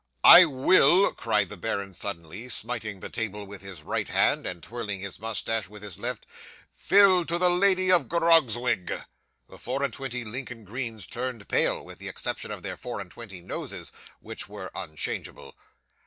'"I will!" cried the baron suddenly, smiting the table with his right hand, and twirling his moustache with his left. "Fill to the Lady of Grogzwig!" 'The four and twenty Lincoln greens turned pale, with the exception of their four and twenty noses, which were unchangeable.